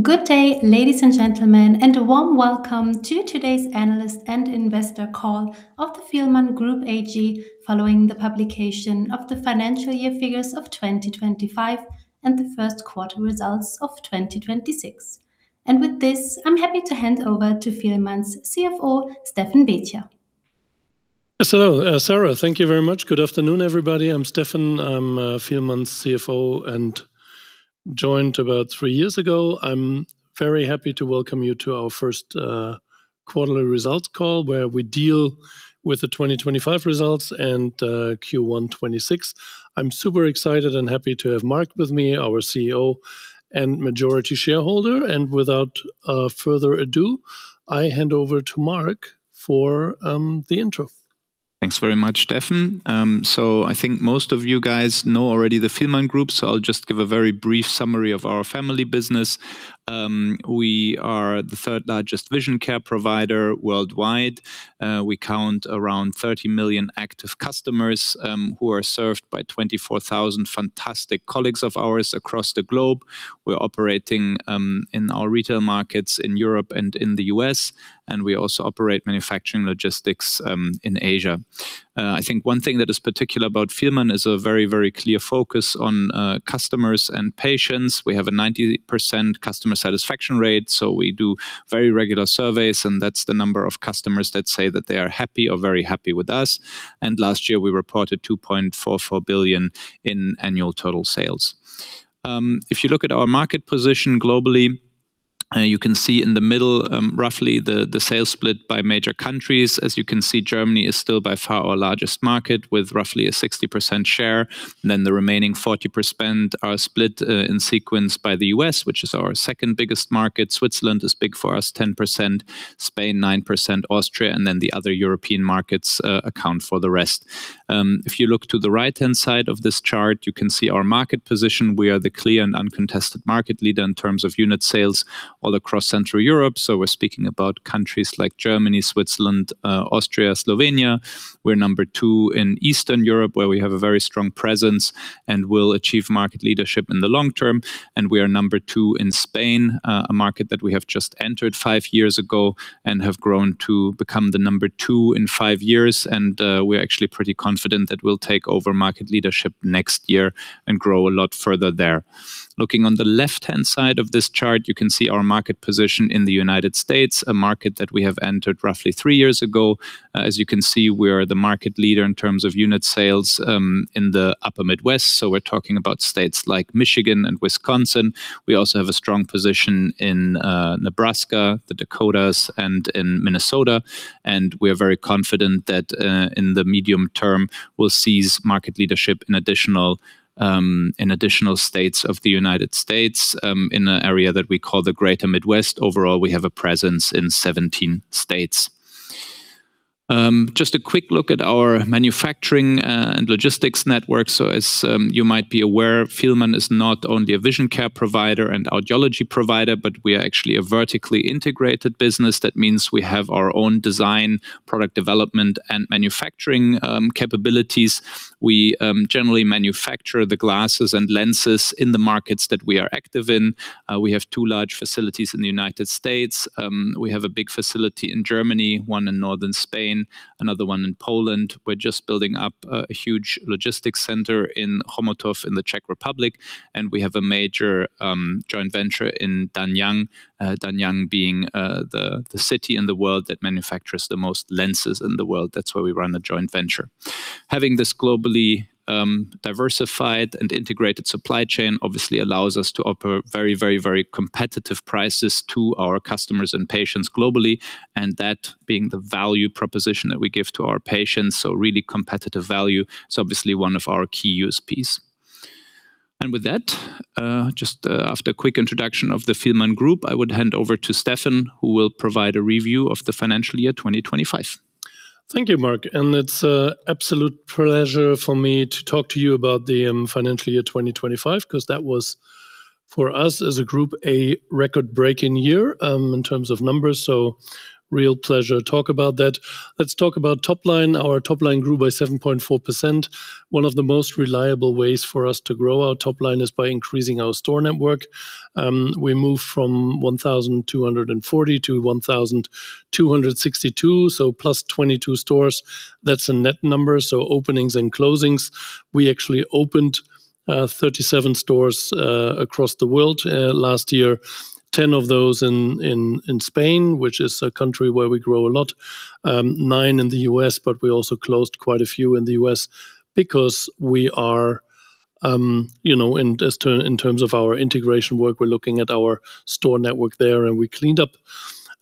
Good day, ladies and gentlemen, a warm welcome to today's analyst and investor call of the Fielmann Group AG following the publication of the financial year figures of 2025 and the first quarter results of 2026. With this, I'm happy to hand over to Fielmann's CFO, Steffen Baetjer. Sarah, thank you very much. Good afternoon, everybody. I'm Steffen. I'm Fielmann's CFO and joined about three years ago. I'm very happy to welcome you to our first quarterly results call where we deal with the 2025 results and Q1 2026. I'm super excited and happy to have Marc with me, our CEO and majority shareholder. Without further ado, I hand over to Marc for the intro. Thanks very much, Steffen. I think most of you guys know already the Fielmann Group, so I'll just give a very brief summary of our family business. We are the third-largest vision care provider worldwide. We count around 30 million active customers, who are served by 24,000 fantastic colleagues of ours across the globe. We're operating in our retail markets in Europe and in the U.S., and we also operate manufacturing logistics in Asia. I think one thing that is particular about Fielmann is a very, very clear focus on customers and patients. We have a 90% customer satisfaction rate, so we do very regular surveys, and that's the number of customers that say that they are happy or very happy with us. Last year, we reported 2.44 billion in annual total sales. If you look at our market position globally, you can see in the middle, roughly the sales split by major countries. As you can see, Germany is still by far our largest market with roughly a 60% share. The remaining 40% are split in sequence by the U.S., which is our second-biggest market. Switzerland is big for us, 10%, Spain, 9%, Austria, the other European markets account for the rest. If you look to the right-hand side of this chart, you can see our market position. We are the clear and uncontested market leader in terms of unit sales all across Central Europe, we're speaking about countries like Germany, Switzerland, Austria, Slovenia. We're number 2 in Eastern Europe, where we have a very strong presence and will achieve market leadership in the long term. We are number 2 in Spain, a market that we have just entered 5 years ago and have grown to become the number 2 in five years. We're actually pretty confident that we'll take over market leadership next year and grow a lot further there. Looking on the left-hand side of this chart, you can see our market position in the U.S., a market that we have entered roughly three years ago. As you can see, we're the market leader in terms of unit sales in the Upper Midwest, so we're talking about states like Michigan and Wisconsin. We also have a strong position in Nebraska, the Dakotas, and in Minnesota. We're very confident that in the medium term, we'll seize market leadership in additional states of the U.S., in an area that we call the Greater Midwest. Overall, we have a presence in 17 states. Just a quick look at our manufacturing and logistics network. As you might be aware, Fielmann is not only a vision care provider and audiology provider, but we are actually a vertically integrated business. That means we have our own design, product development, and manufacturing capabilities. We generally manufacture the glasses and lenses in the markets that we are active in. We have two large facilities in the U.S. We have a big facility in Germany, one in northern Spain, another one in Poland. We're just building up a huge logistics center in Chomutov in the Czech Republic, and we have a major joint venture in Dangyang. Dangyang being the city in the world that manufactures the most lenses in the world. That's where we run the joint venture. Having this globally diversified and integrated supply chain obviously allows us to offer very, very, very competitive prices to our customers and patients globally, and that being the value proposition that we give to our patients. Really competitive value is obviously one of our key USPs. With that, just after a quick introduction of the Fielmann Group, I would hand over to Steffen, who will provide a review of the financial year 2025. Thank you, Marc, and it's an absolute pleasure for me to talk to you about the financial year 2025 because that was, for us as a group, a record-breaking year in terms of numbers. Real pleasure to talk about that. Let's talk about top line. Our top line grew by 7.4%. One of the most reliable ways for us to grow our top line is by increasing our store network. We moved from 1,240 to 1,262, so +22 stores. That's a net number, so openings and closings. We actually opened 37 stores across the world last year. 10 of those in Spain, which is a country where we grow a lot. Nine in the U.S., but we also closed quite a few in the U.S. because we are, you know, in terms of our integration work, we're looking at our store network there, and we cleaned up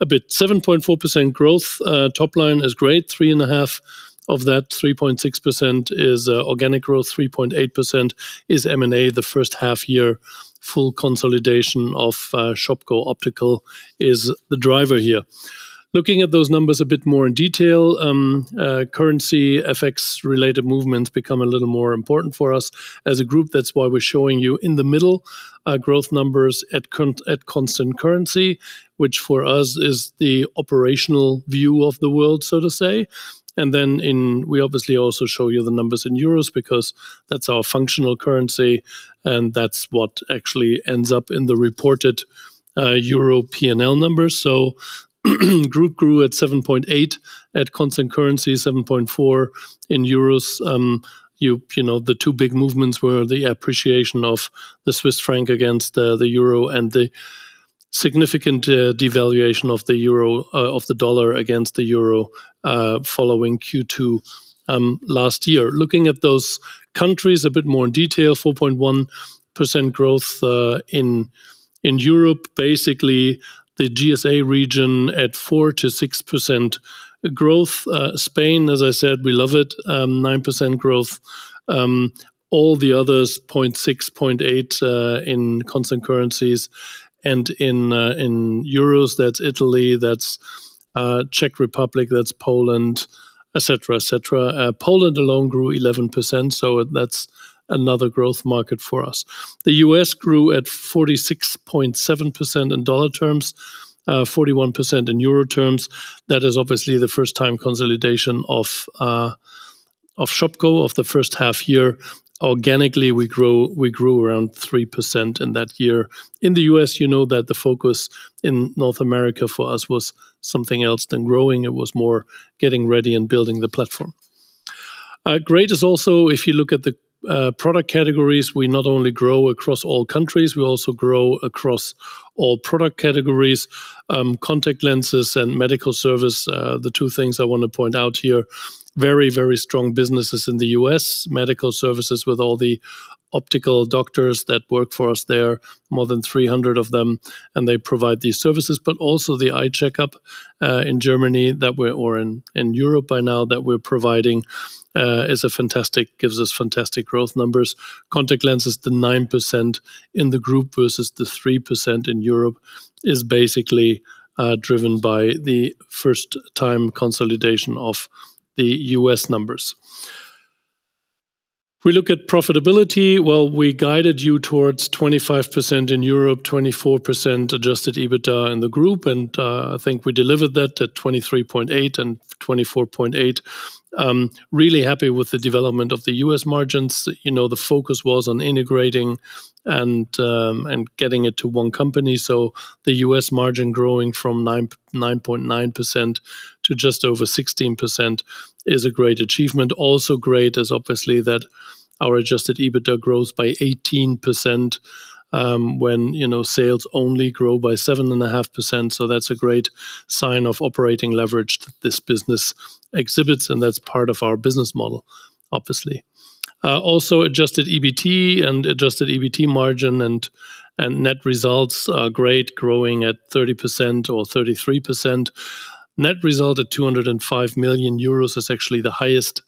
a bit. 7.4% growth, top line is great. 3.5% of that, 3.6% is organic growth. 3.8% is M&A. The first half year full consolidation of Shopko Optical is the driver here. Looking at those numbers a bit more in detail, currency FX-related movements become a little more important for us as a group. That's why we're showing you in the middle, growth numbers at constant currency, which for us is the operational view of the world, so to say. We obviously also show you the numbers in euros because that's our functional currency, and that's what actually ends up in the reported EUR P&L numbers. Group grew at 7.8 at constant currency, 7.4 in EUR. You know, the two big movements were the appreciation of the Swiss franc against the euro and the significant devaluation of the dollar against the euro following Q2 last year. Looking at those countries a bit more in detail, 4.1% growth in Europe, basically the GSA region at 4%-6% growth. Spain, as I said, we love it, 9% growth. All the others, 0.6, 0.8, in constant currencies and in euros, that's Italy, that's Czech Republic, that's Poland, et cetera, et cetera. Poland alone grew 11%, that's another growth market for us. The U.S. grew at 46.7% in dollar terms, 41% in euro terms. That is obviously the first time consolidation of Shopko of the first half year. Organically, we grew around 3% in that year. In the U.S., you know that the focus in North America for us was something else than growing. It was more getting ready and building the platform. Great is also, if you look at the product categories, we not only grow across all countries, we also grow across all product categories. contact lenses and medical service, the two things I wanna point out here, very, very strong businesses in the U.S. Medical services with all the optical doctors that work for us there, more than 300 of them, and they provide these services. But also the eye checkup in Germany that we're providing, is a fantastic, gives us fantastic growth numbers. contact lenses, the 9% in the group versus the 3% in Europe is basically driven by the first time consolidation of the U.S. numbers. If we look at profitability, well, we guided you towards 25% in Europe, 24% adjusted EBITDA in the group, and I think we delivered that at 23.8 and 24.8. Really happy with the development of the U.S. margins. You know, the focus was on integrating and getting it to one company. The U.S. margin growing from 9.9% to just over 16% is a great achievement. Also great is obviously that our adjusted EBITDA grows by 18%, when, you know, sales only grow by 7.5%. That's a great sign of operating leverage that this business exhibits, and that's part of our business model, obviously. Also adjusted EBT and adjusted EBT margin and net results are great, growing at 30% or 33%. Net result at 205 million euros is actually the highest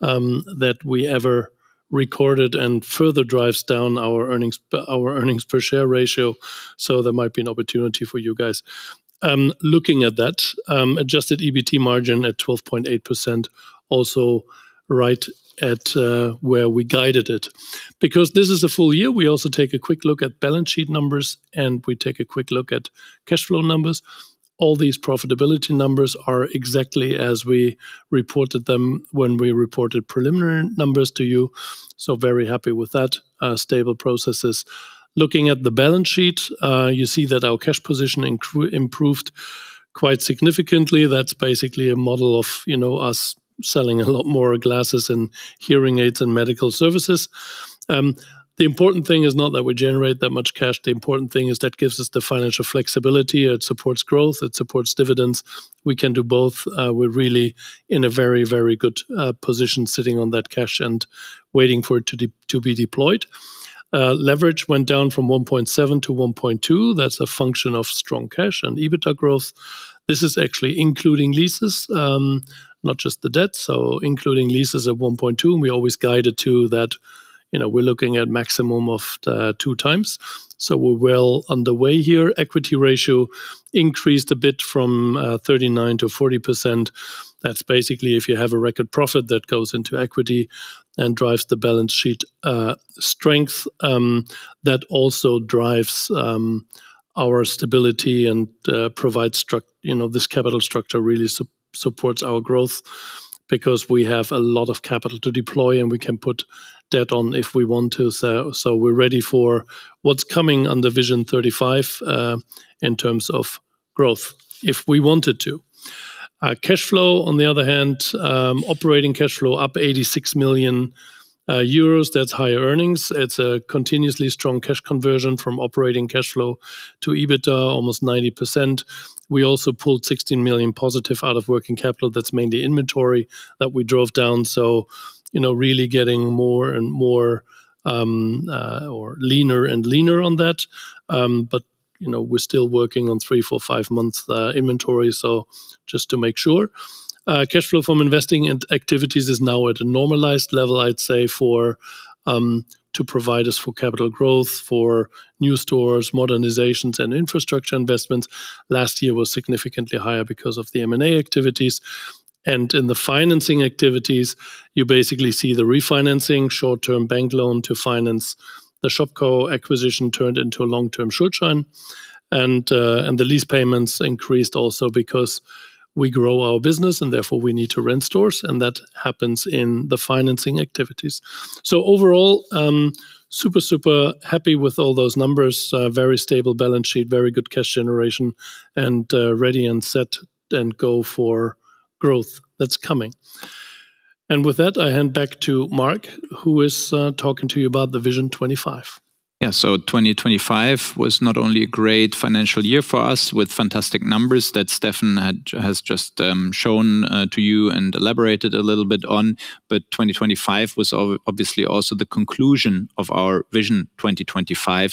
that we ever recorded and further drives down our earnings per share ratio, so there might be an opportunity for you guys looking at that. Adjusted EBT margin at 12.8% also right at where we guided it. Because this is a full year, we also take a quick look at balance sheet numbers, and we take a quick look at cash flow numbers. All these profitability numbers are exactly as we reported them when we reported preliminary numbers to you, so very happy with that, stable processes. Looking at the balance sheet, you see that our cash position improved quite significantly. That's basically a model of, you know, us selling a lot more glasses and hearing aids and medical services. The important thing is not that we generate that much cash. The important thing is that gives us the financial flexibility. It supports growth. It supports dividends. We can do both. We're really in a very, very good position sitting on that cash and waiting for it to be deployed. Leverage went down from 1.7 to 1.2. That's a function of strong cash and EBITDA growth. This is actually including leases, not just the debt, so including leases at 1.2, and we always guided to that. You know, we're looking at maximum of 2x, so we're well underway here. Equity ratio increased a bit from 39% to 40%. That's basically if you have a record profit that goes into equity and drives the balance sheet strength, that also drives our stability and provides you know, this capital structure really supports our growth because we have a lot of capital to deploy, and we can put debt on if we want to. We're ready for what's coming under Vision 2035, in terms of growth if we wanted to. Cash flow, on the other hand, operating cash flow up 86 million euros. That's higher earnings. It's a continuously strong cash conversion from operating cash flow to EBITDA, almost 90%. We also pulled 16 million positive out of working capital. That's mainly inventory that we drove down, you know, really getting more and more, or leaner and leaner on that. you know, we're still working on three, four, five-month inventory, so just to make sure. Cash flow from investing and activities is now at a normalized level, I'd say, for to provide us for capital growth, for new stores, modernizations, and infrastructure investments. Last year was significantly higher because of the M&A activities. In the financing activities, you basically see the refinancing short-term bank loan to finance the Shopko acquisition turned into a long-term short term. The lease payments increased also because we grow our business, and therefore we need to rent stores, and that happens in the financing activities. Overall, super happy with all those numbers. Very stable balance sheet, very good cash generation, ready and set and go for growth that's coming. With that, I hand back to Marc, who is talking to you about the Vision 2025. 2025 was not only a great financial year for us with fantastic numbers that Steffen has just shown to you and elaborated a little bit on, but 2025 was obviously also the conclusion of our Vision 2025.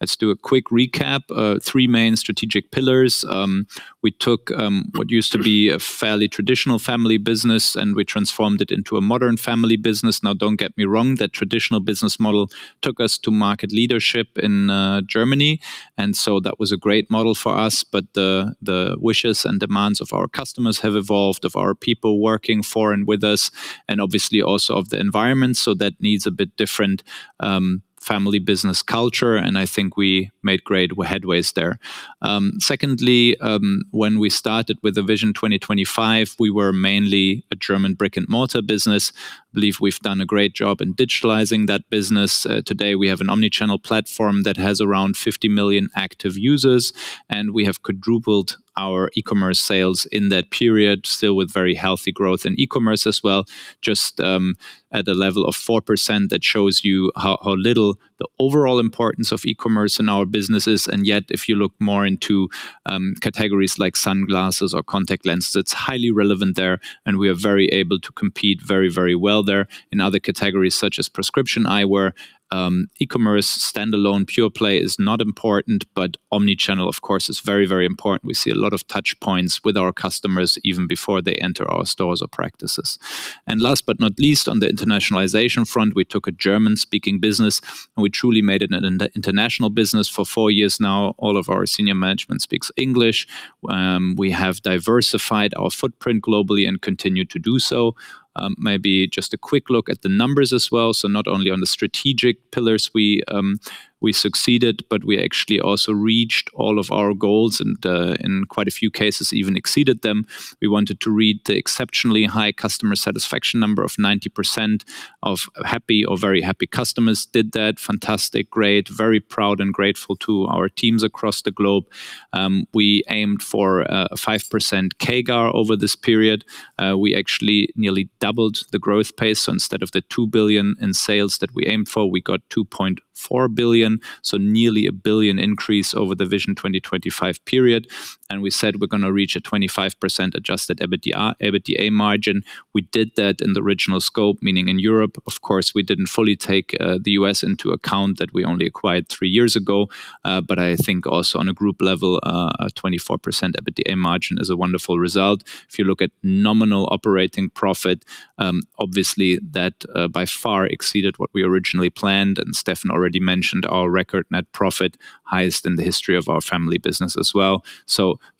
Let's do a quick recap. Three main strategic pillars. We took what used to be a fairly traditional family business, and we transformed it into a modern family business. Now, don't get me wrong, that traditional business model took us to market leadership in Germany, and so that was a great model for us. The wishes and demands of our customers have evolved, of our people working for and with us, and obviously also of the environment, so that needs a bit different family business culture, and I think we made great headways there. Secondly, when we started with the Vision 2025, we were mainly a German brick-and-mortar business. Believe we've done a great job in digitalizing that business. Today, we have an omni-channel platform that has around 50 million active users, and we have quadrupled our e-commerce sales in that period, still with very healthy growth in e-commerce as well, just at the level of 4% that shows you how little the overall importance of e-commerce in our business is. Yet if you look more into categories like sunglasses or contact lenses, it's highly relevant there, and we are very able to compete very, very well there. In other categories, such as prescription eyewear, e-commerce standalone pure play is not important, but omni-channel, of course, is very, very important. We see a lot of touch points with our customers even before they enter our stores or practices. Last but not least, on the internationalization front, we took a German-speaking business, and we truly made it an international business. For four years now, all of our senior management speaks English. We have diversified our footprint globally and continue to do so. Maybe just a quick look at the numbers as well. Not only on the strategic pillars we succeeded, but we actually also reached all of our goals and in quite a few cases even exceeded them. We wanted to read the exceptionally high customer satisfaction number of 90% of happy or very happy customers. Did that. Fantastic. Great. Very proud and grateful to our teams across the globe. We aimed for a 5% CAGR over this period. We actually nearly doubled the growth pace. Instead of the 2 billion in sales that we aimed for, we got 2.4 billion, nearly 1 billion increase over the Vision 2025 period. We said we're gonna reach a 25% adjusted EBITDA margin. We did that in the original scope, meaning in Europe. Of course, we didn't fully take the U.S. into account that we only acquired three years ago. But I think also on a group level, a 24% EBITDA margin is a wonderful result. If you look at nominal operating profit, obviously that by far exceeded what we originally planned, and Steffen already mentioned our record net profit, highest in the history of our family business as well.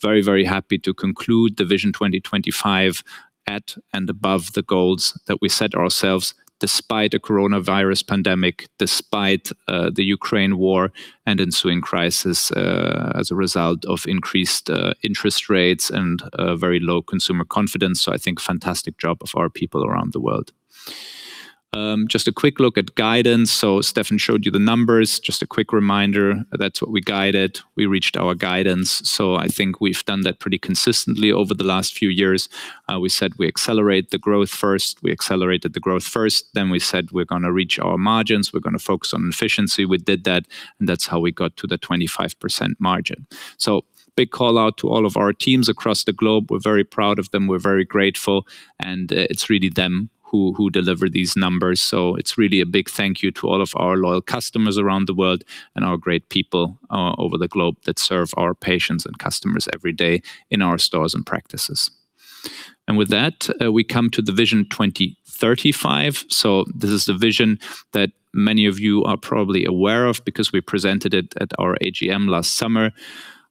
Very, very happy to conclude the Vision 2025 at and above the goals that we set ourselves despite a coronavirus pandemic, despite the Ukraine war and ensuing crisis, as a result of increased interest rates and very low consumer confidence. I think fantastic job of our people around the world. Just a quick look at guidance. Steffen showed you the numbers. Just a quick reminder, that's what we guided. We reached our guidance. I think we've done that pretty consistently over the last few years. We said we accelerate the growth first. We accelerated the growth first. We said we're gonna reach our margins. We're gonna focus on efficiency. We did that, and that's how we got to the 25% margin. Big call-out to all of our teams across the globe. We're very proud of them. We're very grateful, and it's really them who deliver these numbers. It's really a big thank you to all of our loyal customers around the world and our great people over the globe that serve our patients and customers every day in our stores and practices. With that, we come to the Vision 2035. This is the vision that many of you are probably aware of because we presented it at our AGM last summer.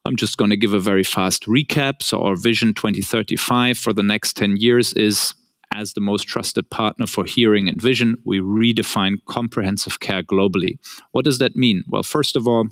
I'm just gonna give a very fast recap. Our Vision 2035 for the next 10 years is, as the most trusted partner for hearing and vision, we redefine comprehensive care globally. What does that mean? Well, first of all,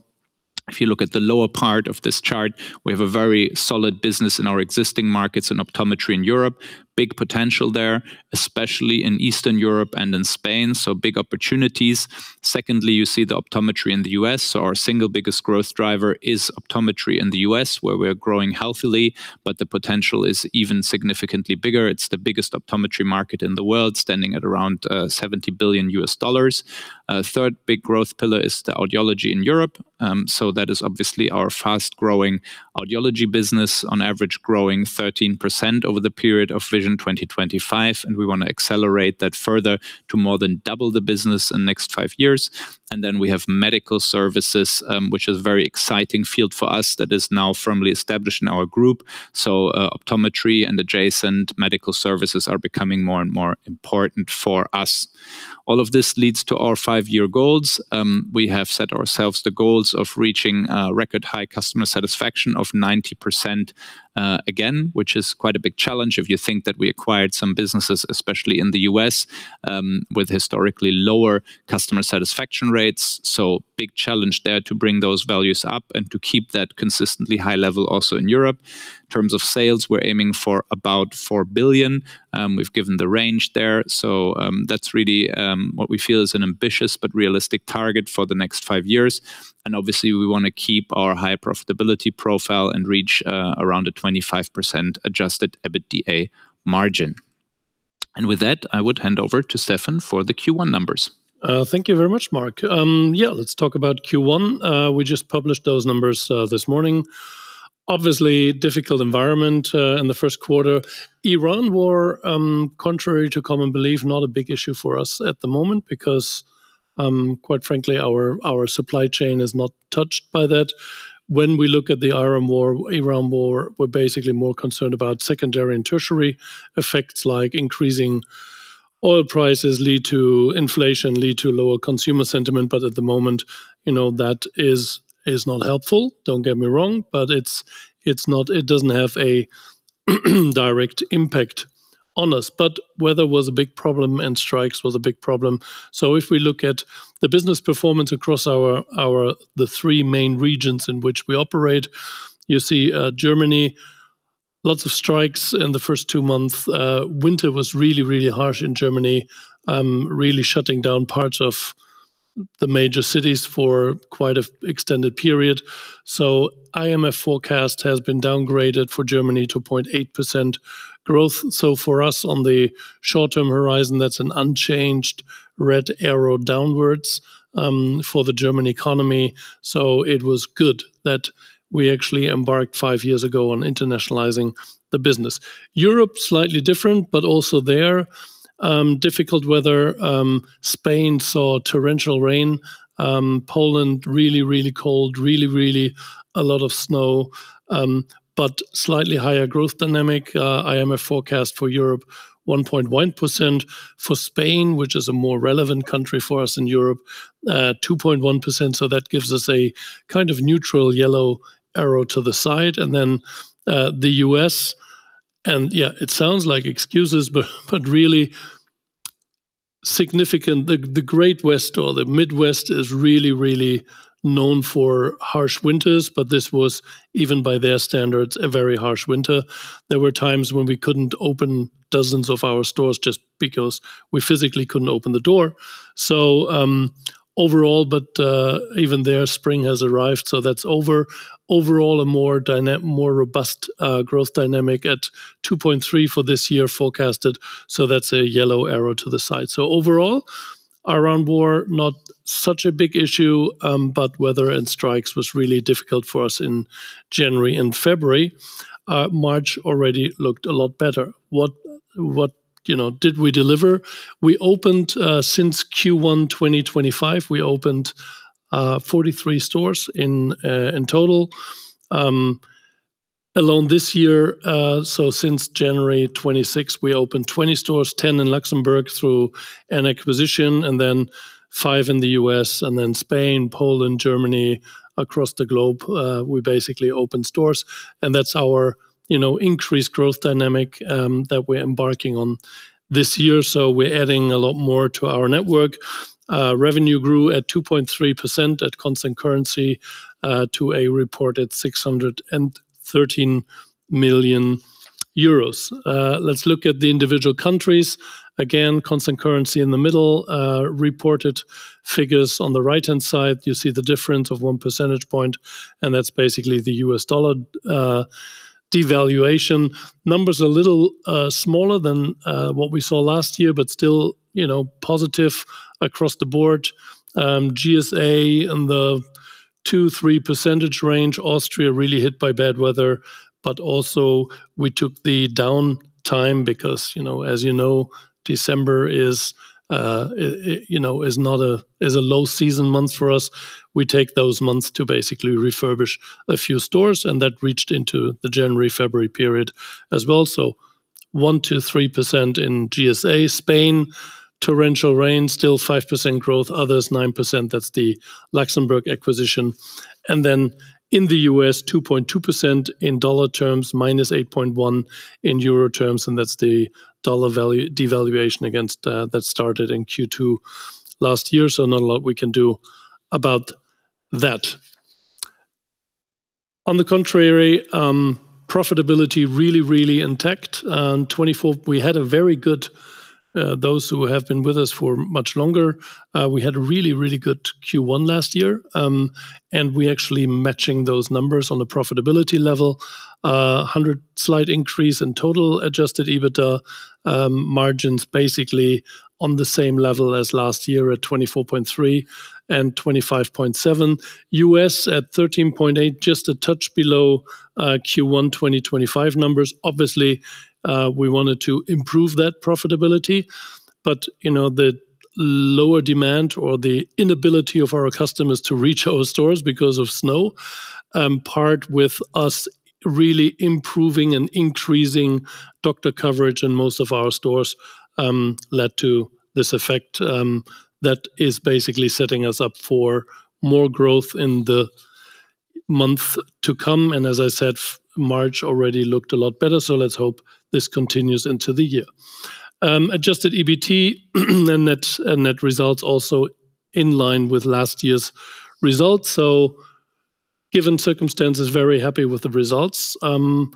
if you look at the lower part of this chart, we have a very solid business in our existing markets in optometry in Europe. Big potential there, especially in Eastern Europe and in Spain, so big opportunities. Secondly, you see the optometry in the U.S. Our single biggest growth driver is optometry in the U.S., where we're growing healthily, but the potential is even significantly bigger. It's the biggest optometry market in the world, standing at around $70 billion. A third big growth pillar is the audiology in Europe. That is obviously our fast-growing audiology business, on average growing 13% over the period of Vision 2025, and we wanna accelerate that further to more than double the business in next five years. We have medical services, which is a very exciting field for us that is now firmly established in our group. Optometry and adjacent medical services are becoming more and more important for us. All of this leads to our five-year goals. We have set ourselves the goals of reaching record high customer satisfaction of 90% again, which is quite a big challenge if you think that we acquired some businesses, especially in the U.S., with historically lower customer satisfaction rates. Big challenge there to bring those values up and to keep that consistently high level also in Europe. In terms of sales, we're aiming for about 4 billion. We've given the range there. That's really what we feel is an ambitious but realistic target for the next five years. Obviously, we wanna keep our high profitability profile and reach around a 25% adjusted EBITDA margin. With that, I would hand over to Steffen for the Q1 numbers. Thank you very much, Marc. Let's talk about Q1. We just published those numbers this morning. Obviously, difficult environment in the first quarter. Iran War, contrary to common belief, not a big issue for us at the moment because, quite frankly, our supply chain is not touched by that. When we look at the Iran War, we're basically more concerned about secondary and tertiary effects like increasing oil prices lead to inflation, lead to lower consumer sentiment. At the moment, you know, that is not helpful. Don't get me wrong. It's not, it doesn't have a direct impact on us. Weather was a big problem and strikes was a big problem. If we look at the business performance across our three main regions in which we operate, you see Germany, lots of strikes in the first two months. Winter was really harsh in Germany, really shutting down parts of the major cities for quite an extended period. IMF forecast has been downgraded for Germany to 0.8% growth. For us on the short-term horizon, that's an unchanged red arrow downwards for the German economy. It was good that we actually embarked five years ago on internationalizing the business. Europe, slightly different, but also there, difficult weather. Spain saw torrential rain. Poland, really cold, really a lot of snow, but slightly higher growth dynamic. IMF forecast for Europe, 1.1%. For Spain, which is a more relevant country for us in Europe, 2.1%. That gives us a kind of neutral yellow arrow to the side. Then, the U.S. and, yeah, it sounds like excuses, but really significant. The Great West or the Midwest is really known for harsh winters, but this was, even by their standards, a very harsh winter. There were times when we couldn't open dozens of our stores just because we physically couldn't open the door. Overall, but even there, spring has arrived, so that's over. Overall, a more robust growth dynamic at 2.3 for this year forecasted, so that's a yellow arrow to the side. Overall, tariff war not such a big issue, but weather and strikes was really difficult for us in January and February. March already looked a lot better. What, you know, did we deliver? We opened, since Q1 2025, we opened 43 stores in total. Alone this year, since January 26th, we opened 20 stores, 10 in Luxembourg through an acquisition, and then five in the U.S., and then Spain, Poland, Germany. Across the globe, we basically opened stores, that's our, you know, increased growth dynamic that we're embarking on this year. We're adding a lot more to our network. Revenue grew at 2.3% at constant currency to a reported 613 million euros. Let's look at the individual countries. Again, constant currency in the middle, reported figures on the right-hand side. You see the difference of 1 percentage point, that's basically the US dollar devaluation. Numbers a little smaller than what we saw last year, still, you know, positive across the board. GSA in the 2%, 3% range. Austria really hit by bad weather. Also we took the downtime because, you know, as you know, December is, you know, a low season month for us. We take those months to basically refurbish a few stores, and that reached into the January, February period as well. 1%-3% in GSA. Spain, torrential rain, still 5% growth. Others, 9%. That's the Luxembourg acquisition. Then in the U.S., 2.2% in USD terms, 8.1%- in EUR terms, and that's the dollar devaluation against that started in Q2 last year. Not a lot we can do about that. On the contrary, profitability really intact. 2024, we had a very good, those who have been with us for much longer, we had a really good Q1 last year. We actually matching those numbers on the profitability level. 100 slight increase in total adjusted EBITDA. Margins basically on the same level as last year at 24.3% and 25.7%. U.S. at 13.8%, just a touch below Q1 2025 numbers. Obviously, we wanted to improve that profitability, you know, the lower demand or the inability of our customers to reach our stores because of snow, part with us really improving and increasing doctor coverage in most of our stores, led to this effect, that is basically setting us up for more growth in the month to come. As I said, March already looked a lot better, so let's hope this continues into the year. Adjusted EBT and net results also in line with last year's results. Given circumstances, very happy with the results. You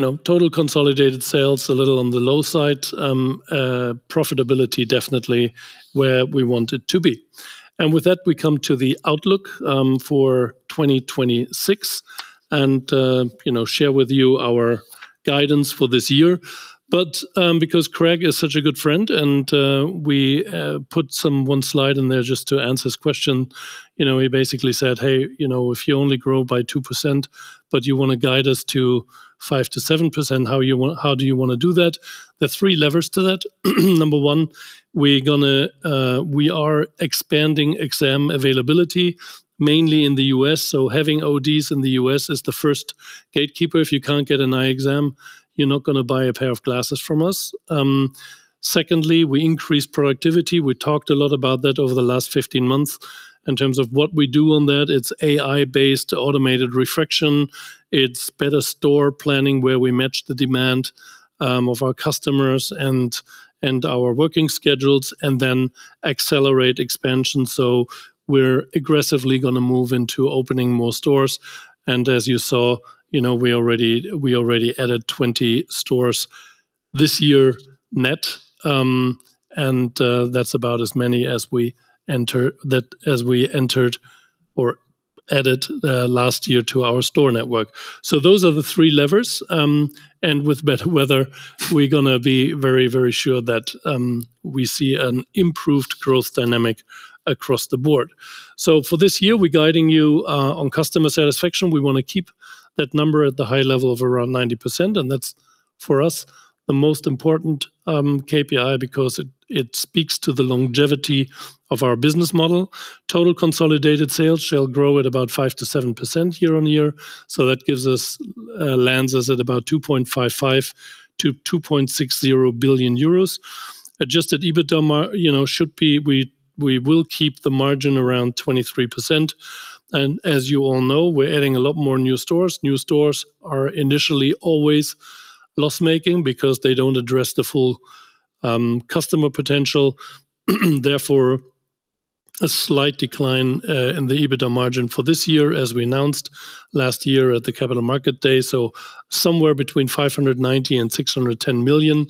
know, total consolidated sales a little on the low side. Profitability definitely where we want it to be. With that, we come to the outlook for 2026 and, you know, share with you our Guidance for this year. Because Craig is such a good friend and, we put some one slide in there just to answer his question. You know, he basically said, "Hey, you know, if you only grow by 2% but you wanna guide us to 5%-7%, how do you wanna do that?" There are three levers to that. Number one, we are expanding exam availability, mainly in the U.S. Having ODs in the U.S. is the first gatekeeper. If you can't get an eye exam, you're not going to buy a pair of glasses from us. Secondly, we increased productivity. We talked a lot about that over the last 15 months in terms of what we do on that. It's AI-based automated refraction, it's better store planning where we match the demand of our customers and our working schedules, then accelerate expansion. We're aggressively going to move into opening more stores, and as you saw, you know, we already added 20 stores this year net. That's about as many as we entered or added last year to our store network. Those are the three levers. And with better weather, we're going to be very, very sure that we see an improved growth dynamic across the board. For this year, we're guiding you on customer satisfaction. We want to keep that number at the high level of around 90%, and that's, for us, the most important KPI because it speaks to the longevity of our business model. Total consolidated sales shall grow at about 5%-7% year on year, so that gives us lands us at about 2.55 billion-2.60 billion euros. Adjusted EBITDA, you know, should be we will keep the margin around 23%, and as you all know, we're adding a lot more new stores. New stores are initially always loss-making because they don't address the full customer potential, therefore a slight decline in the EBITDA margin for this year as we announced last year at the Capital Markets Day. Somewhere between 590 million and 610 million.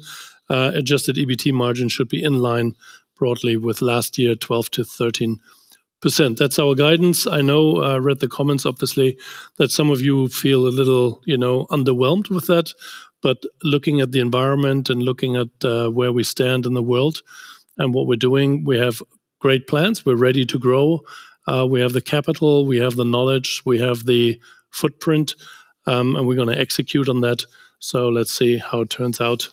Adjusted EBT margin should be in line broadly with last year, 12%-13%. That's our guidance. I know, I read the comments obviously, that some of you feel a little, you know, underwhelmed with that. Looking at the environment and looking at where we stand in the world and what we're doing, we have great plans. We're ready to grow. We have the capital, we have the knowledge, we have the footprint, we're gonna execute on that. Let's see how it turns out.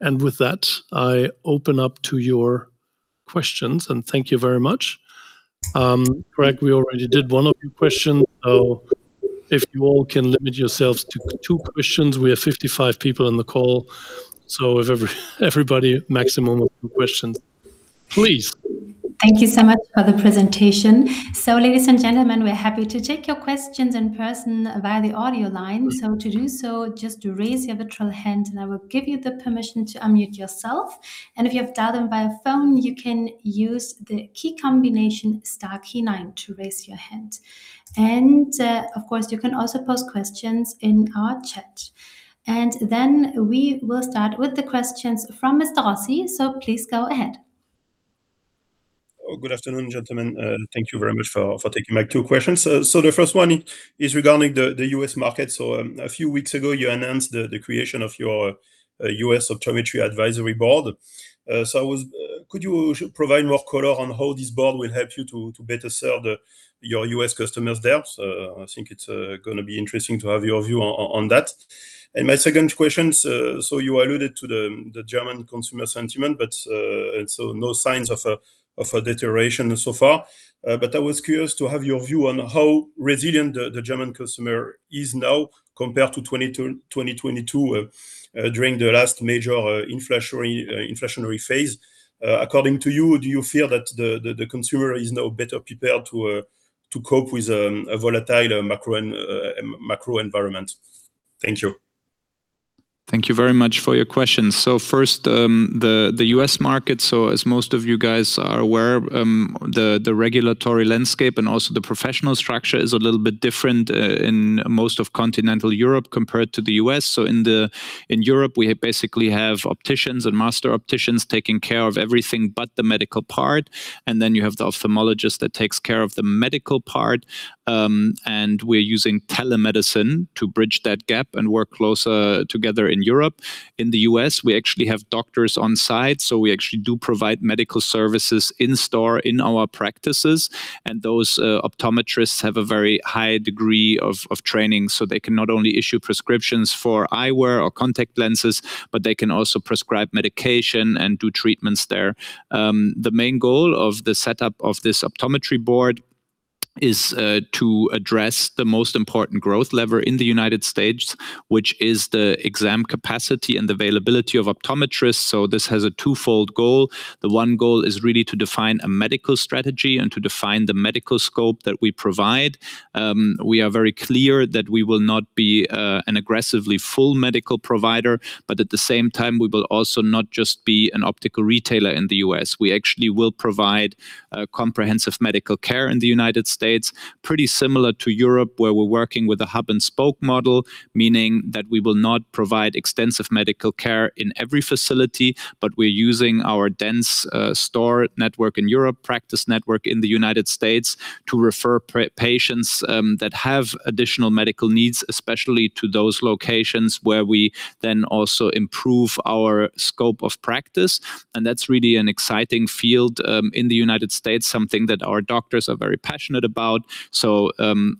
With that, I open up to your questions, and thank you very much. Craig, we already did one of your questions, if you all can limit yourselves to two questions. We have 55 people on the call, if everybody maximum of two questions. Please. Thank you so much for the presentation. Ladies and gentlemen, we're happy to take your questions in person via the audio line. To do so, just raise your virtual hand and I will give you the permission to unmute yourself. If you have dialed in via phone, you can use the key combination star key nine to raise your hand. Of course, you can also post questions in our chat. We will start with the questions from Mr. Rossi, please go ahead. Good afternoon, gentlemen. Thank you very much for taking my two questions. The first one is regarding the U.S. market. A few weeks ago, you announced the creation of your U.S. Optometry Advisory Board. Could you provide more color on how this board will help you to better serve your U.S. customers there? I think it's gonna be interesting to have your view on that. My second question, you alluded to the German consumer sentiment, no signs of a deterioration so far. I was curious to have your view on how resilient the German customer is now compared to 2022 during the last major inflationary phase. According to you, do you feel that the consumer is now better prepared to cope with a volatile macro environment? Thank you. Thank you very much for your questions. First, the U.S. market, as most of you guys are aware, the regulatory landscape and also the professional structure is a little bit different in most of continental Europe compared to the U.S. In Europe, we basically have opticians and master opticians taking care of everything but the medical part, and then you have the ophthalmologist that takes care of the medical part. We're using telemedicine to bridge that gap and work closer together in Europe. In the U.S., we actually have doctors on site, we actually do provide medical services in store in our practices. Those optometrists have a very high degree of training, so they can not only issue prescriptions for eyewear or contact lenses, but they can also prescribe medication and do treatments there. The main goal of the setup of this optometry board is to address the most important growth lever in the United States, which is the exam capacity and availability of optometrists. This has a twofold goal. The one goal is really to define a medical strategy and to define the medical scope that we provide. We are very clear that we will not be an aggressively full medical provider. At the same time, we will also not just be an optical retailer in the U.S. We actually will provide comprehensive medical care in the U.S., pretty similar to Europe, where we're working with a hub and spoke model, meaning that we will not provide extensive medical care in every facility. We're using our dense store network in Europe, practice network in the U.S. to refer patients that have additional medical needs, especially to those locations where we then also improve our scope of practice. That's really an exciting field in the U.S., something that our doctors are very passionate about.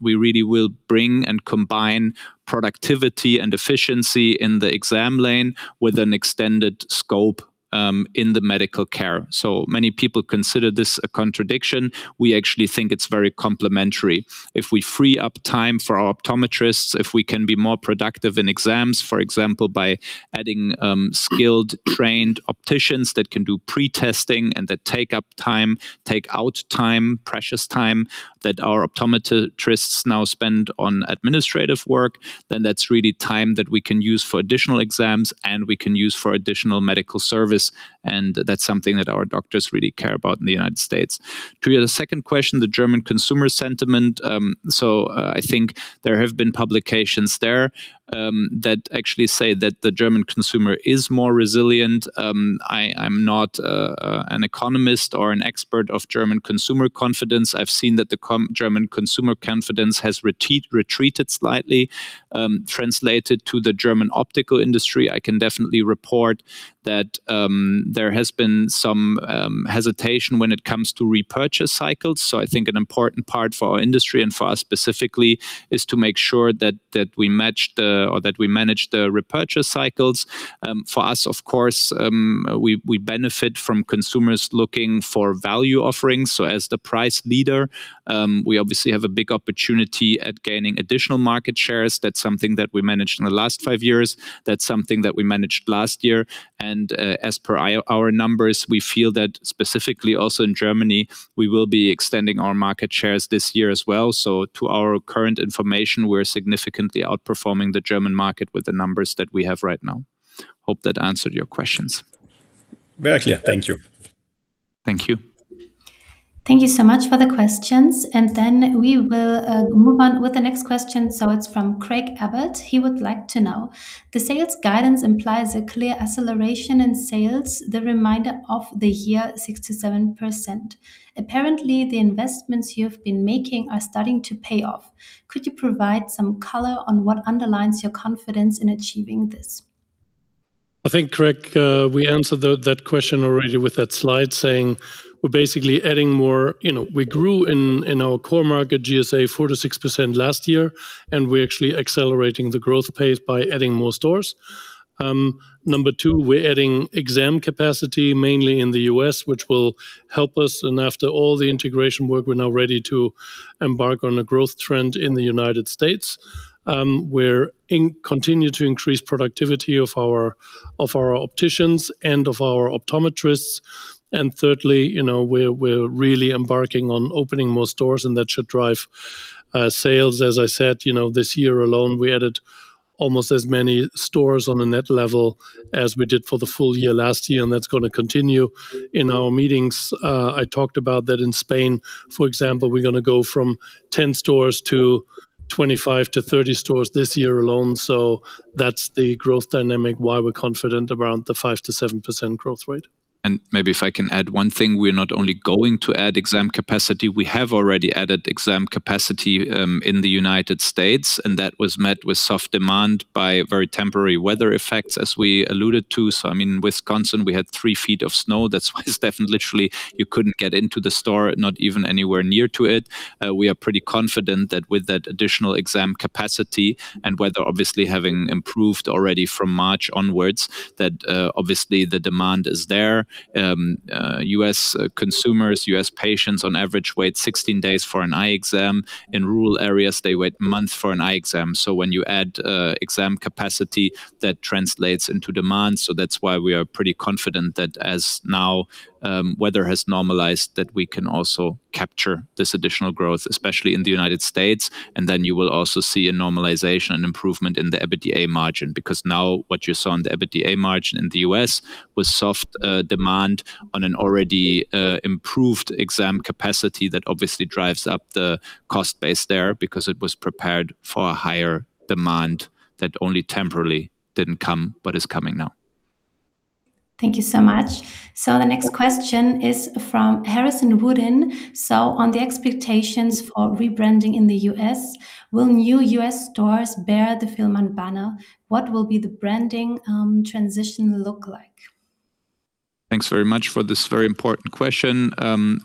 We really will bring and combine productivity and efficiency in the exam lane with an extended scope in the medical care. Many people consider this a contradiction. We actually think it's very complementary. If we free up time for our optometrists, if we can be more productive in exams, for example, by adding skilled, trained opticians that can do pre-testing and that take up time, take out time, precious time that our optometrists now spend on administrative work, then that's really time that we can use for additional exams and we can use for additional medical service, and that's something that our doctors really care about in the United States. To your second question, the German consumer sentiment, I think there have been publications there that actually say that the German consumer is more resilient. I'm not an economist or an expert of German consumer confidence. I've seen that the German consumer confidence has retreated slightly. Translated to the German optical industry, I can definitely report that there has been some hesitation when it comes to repurchase cycles. I think an important part for our industry and for us specifically is to make sure that we match the, or that we manage the repurchase cycles. For us, of course, we benefit from consumers looking for value offerings. As the price leader, we obviously have a big opportunity at gaining additional market shares. That's something that we managed in the last five years. That's something that we managed last year. As per our numbers, we feel that specifically also in Germany, we will be extending our market shares this year as well. To our current information, we're significantly outperforming the German market with the numbers that we have right now. Hope that answered your questions. Very clear. Thank you. Thank you. Thank you so much for the questions. We will move on with the next question. It is from Craig Abbott. He would like to know, the sales guidance implies a clear acceleration in sales the remainder of the year, 6%-7%. Apparently, the investments you have been making are starting to pay off. Could you provide some color on what underlines your confidence in achieving this? I think, Craig, we answered that question already with that slide. You know, we grew in our core market GSA 4% to 6% last year, we're actually accelerating the growth pace by adding more stores. Number 2, we're adding exam capacity mainly in the U.S., which will help us, after all the integration work, we're now ready to embark on a growth trend in the United States. We continue to increase productivity of our opticians and of our optometrists. Thirdly, you know, we're really embarking on opening more stores, that should drive sales. As I said, you know, this year alone, we added almost as many stores on a net level as we did for the full year last year, that's gonna continue. In our meetings, I talked about that in Spain, for example, we're gonna go from 10 stores to 25 to 30 stores this year alone. That's the growth dynamic, why we're confident around the 5% to 7% growth rate. Maybe if I can add one thing, we're not only going to add exam capacity, we have already added exam capacity, in the U.S., and that was met with soft demand by very temporary weather effects, as we alluded to. I mean, Wisconsin, we had 3 ft of snow. That's why Steffen literally, you couldn't get into the store, not even anywhere near to it. We are pretty confident that with that additional exam capacity and weather obviously having improved already from March onwards, that obviously the demand is there. U.S. consumers, U.S. patients on average wait 16 days for an eye exam. In rural areas, they wait months for an eye exam. When you add exam capacity, that translates into demand. That's why we are pretty confident that as now weather has normalized, that we can also capture this additional growth, especially in the U.S. Then you will also see a normalization and improvement in the EBITDA margin, because now what you saw on the EBITDA margin in the U.S. was soft demand on an already improved exam capacity that obviously drives up the cost base there because it was prepared for a higher demand that only temporarily didn't come, but is coming now. Thank you so much. The next question is from Harrison Woodin-Lygo. On the expectations for rebranding in the U.S., will new U.S. stores bear the Fielmann banner? What will be the branding transition look like? Thanks very much for this very important question.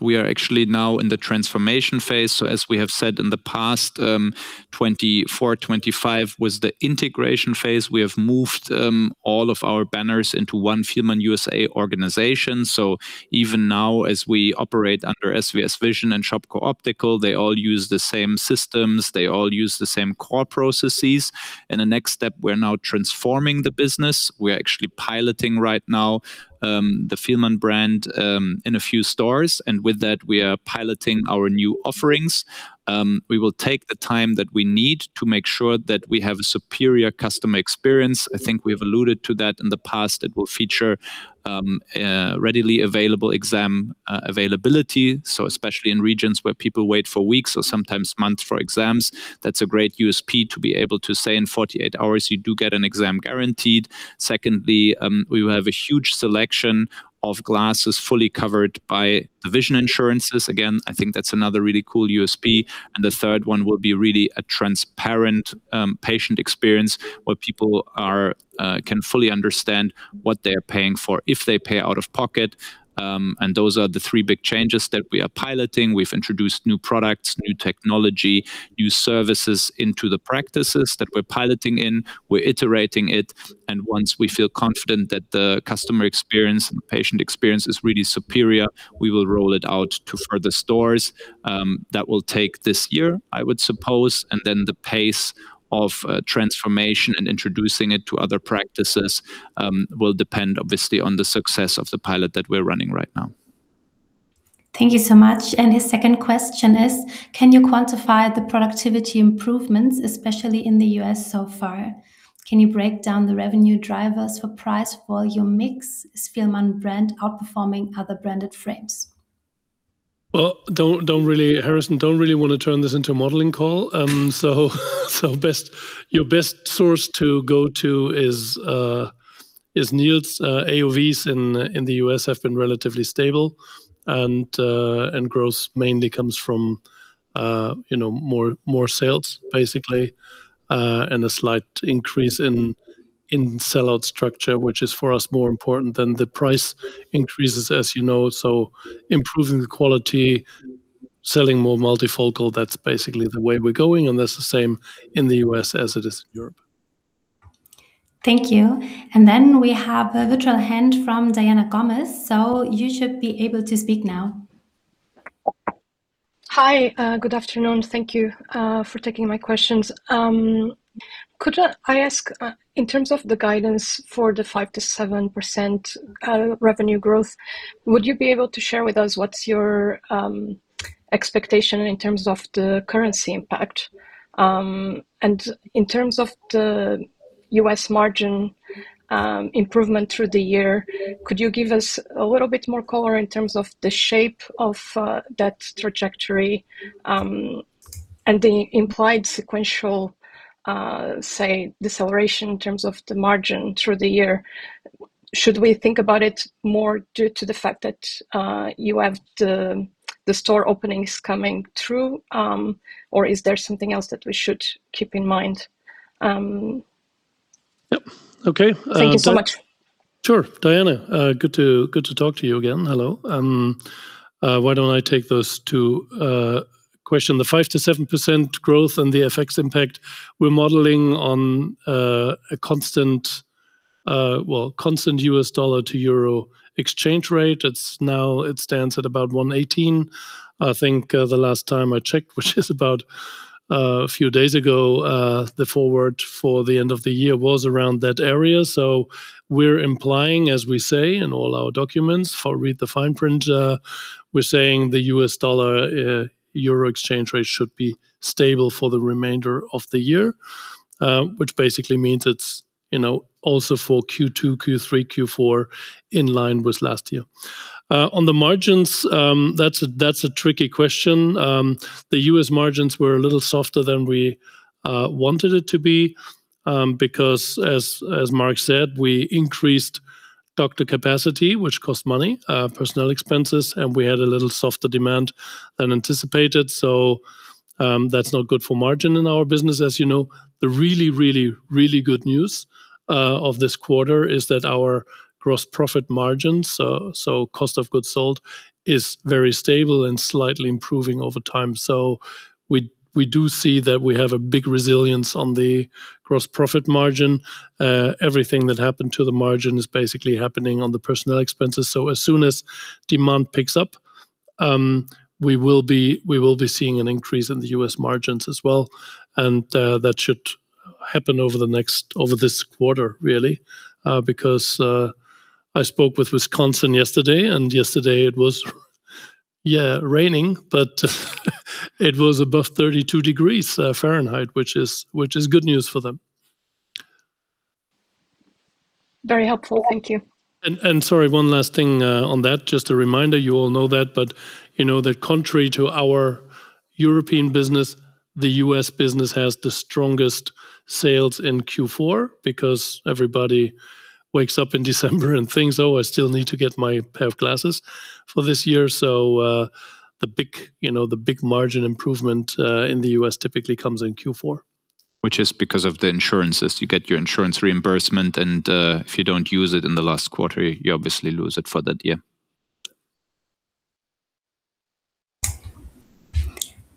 We are actually now in the transformation phase. As we have said in the past, 2024, 2025 was the integration phase. We have moved all of our banners into one Fielmann USA organization. Even now as we operate under SVS Vision and Shopko Optical, they all use the same systems, they all use the same core processes. In the next step, we're now transforming the business. We are actually piloting right now the Fielmann brand in a few stores, and with that we are piloting our new offerings. We will take the time that we need to make sure that we have a superior customer experience. I think we've alluded to that in the past. It will feature readily available exam availability. Especially in regions where people wait for weeks or sometimes months for exams, that's a great USP to be able to say in 48 hours you do get an exam guaranteed. Secondly, we will have a huge selection of glasses fully covered by the vision insurances. Again, I think that's another really cool USP. The third one will be really a transparent patient experience where people can fully understand what there're paying for if they pay out of pocket. Those are the three big changes that we are piloting. We've introduced new products, new technology, new services into the practices that we're piloting in. We're iterating it, and once we feel confident that the customer experience and the patient experience is really superior, we will roll it out to further stores. That will take this year, I would suppose, and then the pace of transformation and introducing it to other practices, will depend obviously on the success of the pilot that we're running right now. Thank you so much. His second question is, can you quantify the productivity improvements, especially in the U.S. so far? Can you break down the revenue drivers for price volume mix? Is Fielmann brand outperforming other branded frames? Well, don't really, Harrison, don't really wanna turn this into a modeling call. Your best source to go to is Nils. AOV in the U.S. have been relatively stable, and growth mainly comes from, you know, more sales basically, and a slight increase in sellout structure, which is for us more important than the price increases as you know. Improving the quality, selling more multifocal, that's basically the way we're going, and that's the same in the U.S. as it is in Europe. Thank you. Then we have a virtual hand from Diana Gomes, so you should be able to speak now. Hi. Good afternoon. Thank you for taking my questions. Could I ask, in terms of the guidance for the 5%-7% revenue growth, would you be able to share with us what's your expectation in terms of the currency impact? And in terms of the U.S. margin improvement through the year, could you give us a little bit more color in terms of the shape of that trajectory and the implied sequential, say, deceleration in terms of the margin through the year? Should we think about it more due to the fact that you have the store openings coming through, or is there something else that we should keep in mind? Yep, okay. Thank you so much. Sure. Diana, good to talk to you again. Hello. Why don't I take those two question. The 5%-7% growth and the FX impact, we're modeling on a constant, well, constant US dollar to euro exchange rate. It's now, it stands at about 1.18. I think, the last time I checked, which is about a few days ago, the forward for the end of the year was around that area. We're implying, as we say in all our documents for read the fine print, we're saying the US dollar, euro exchange rate should be stable for the remainder of the year. Which basically means it's, you know, also for Q2, Q3, Q4 in line with last year. On the margins, that's a tricky question. The U.S. margins were a little softer than we wanted it to be, because as Marc said, we increased doctor capacity, which cost money, personnel expenses, and we had a little softer demand than anticipated. That's not good for margin in our business, as you know. The really good news of this quarter is that our gross profit margins, so cost of goods sold, is very stable and slightly improving over time. We do see that we have a big resilience on the gross profit margin. Everything that happened to the margin is basically happening on the personnel expenses. As soon as demand picks up, we will be seeing an increase in the U.S. margins as well. That should happen over the next over this quarter really. Because I spoke with Wisconsin yesterday, and yesterday it was raining, but it was above 32 degrees Fahrenheit, which is good news for them. Very helpful. Thank you. Sorry, one last thing on that. Just a reminder, you all know that, but you know that contrary to our European business, the U.S. business has the strongest sales in Q4 because everybody wakes up in December and thinks, "Oh, I still need to get my pair of glasses for this year." The big, you know, the big margin improvement in the U.S. typically comes in Q4. Which is because of the insurances. You get your insurance reimbursement and, if you don't use it in the last quarter, you obviously lose it for that year.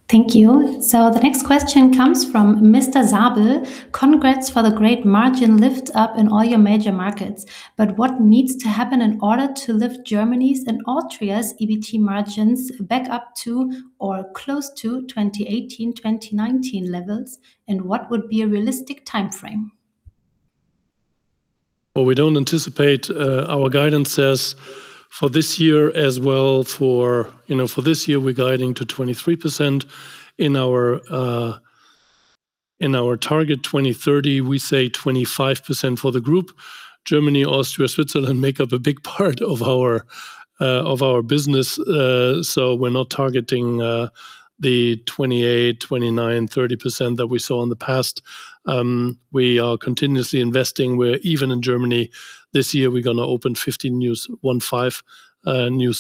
Thank you. The next question comes from Mr. Zabel. Congrats for the great margin lift up in all your major markets. What needs to happen in order to lift Germany's and Austria's EBT margins back up to or close to 2018, 2019 levels? What would be a realistic timeframe? Well, we don't anticipate, our guidance says for this year as well for, you know, for this year, we're guiding to 23%. In our target 2030, we say 25% for the group. Germany, Austria, Switzerland make up a big part of our business. We're not targeting the 28%, 29%, 30% that we saw in the past. We are continuously investing. We're even in Germany this year, we're gonna open 15 new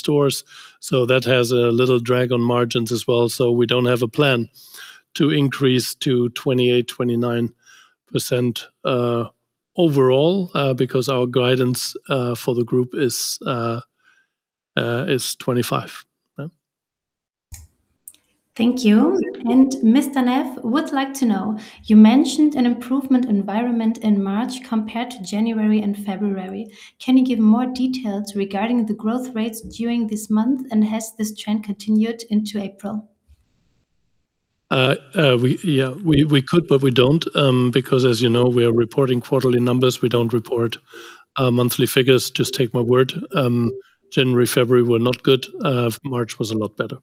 stores, so that has a little drag on margins as well. We don't have a plan to increase to 28%, 29% overall, because our guidance for the group is 25. Yeah. Thank you. Mr. Neff would like to know, you mentioned an improvement environment in March compared to January and February. Can you give more details regarding the growth rates during this month, and has this trend continued into April? We could, but we don't, because as you know, we are reporting quarterly numbers. We don't report monthly figures. Just take my word. January, February were not good. March was a lot better.